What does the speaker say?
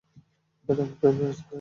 Madam প্রেমে পড়েছেন, তাই না?